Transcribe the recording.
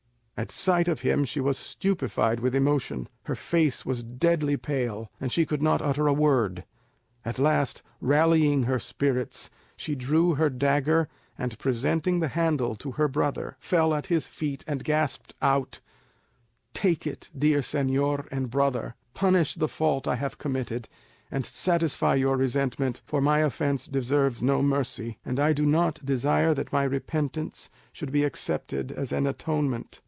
At sight of him she was stupefied with emotion, her face was deadly pale, and she could not utter a word. At last, rallying her spirits, she drew her dagger, and presenting the handle to her brother, fell at his feet, and gasped out, "Take it, dear señor and brother, punish the fault I have committed, and satisfy your resentment, for my offence deserves no mercy, and I do not desire that my repentance should be accepted as an atonement.